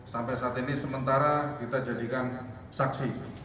sampai saat ini sementara kita jadikan saksi